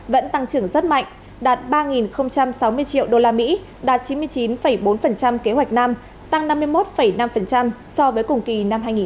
vẫn tăng trưởng rất mạnh đạt ba sáu mươi triệu usd đạt chín mươi chín bốn kế hoạch năm tăng năm mươi một năm so với cùng kỳ năm hai nghìn một mươi chín